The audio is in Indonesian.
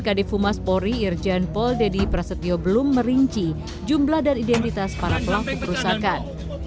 kd fumas polri irjen pol dedi prasetyo belum merinci jumlah dan identitas para pelaku perusahaan